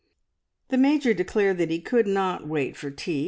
The Major declared that he could not wait for tea.